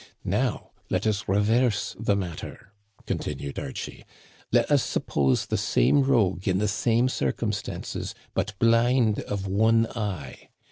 Now let us reverse the matter," continued Archie. Let us sup pose the same rogue in the same circumstances, but blind of one eye.